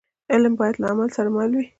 علم باید له عمل سره مل وي.